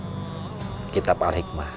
mereka tadi berada dalam ramadhan